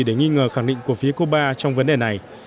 để nghi ngờ khẳng định của phía cuba trong vấn đề này